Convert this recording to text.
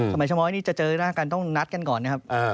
สมัยชะม้อยนี่จะเจอหน้ากันต้องนัดกันก่อนนะครับ